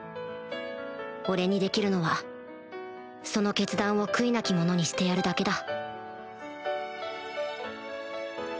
俺にできるのはその決断を悔いなきものにしてやるだけだ